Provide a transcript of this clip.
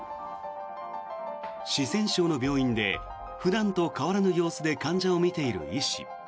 四川省の病院で普段と変わらぬ様子で患者を診ている医師。